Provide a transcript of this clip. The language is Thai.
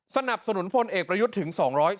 สนับสนุนพลเอกประยุทธ์ถึง๒๗